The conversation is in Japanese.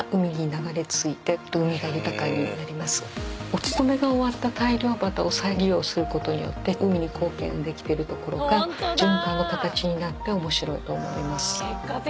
お務めが終わった大漁旗を再利用することによって海に貢献できてるところが循環の形になって面白いと思います。